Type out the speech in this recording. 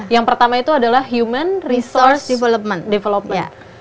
yang pertama itu adalah human resource development development